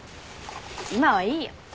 今はいいよ。